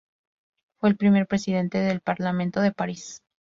Fue el primer presidente del Parlamento de París.